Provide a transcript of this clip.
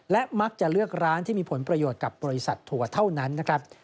และมักจะเลือกร้านที่มีผลประโยชน์กับบริษัทถั่วเท่านั้นนะครับ